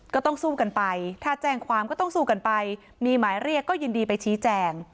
ก็ต้องสู้กันไปถ้าแจ้งความก็ต้องสู้กันไปมีหมายเรียกก็ยินดีไปชี้แจง